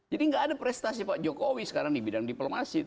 jadi gak ada prestasi pak jokowi sekarang di bidang diplomasi